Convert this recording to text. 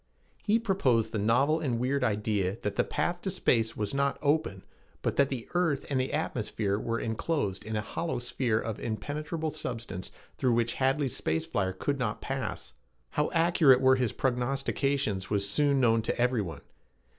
He proposed the novel and weird idea that the path to space was not open, but that the earth and the atmosphere were enclosed in a hollow sphere of impenetrable substance through which Hadley's space flyer could not pass. How accurate were his prognostications was soon known to everyone.